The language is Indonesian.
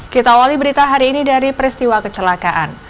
kita awali berita hari ini dari peristiwa kecelakaan